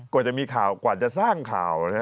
กว่าจะมีข่าวกว่าจะสร้างข่าว